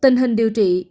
tình hình điều trị